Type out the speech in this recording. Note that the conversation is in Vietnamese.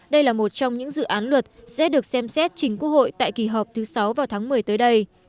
đây là một trong những dự án luật sẽ được xem xét chính quốc hội tại kỳ họp thứ sáu vào tháng một mươi tới đây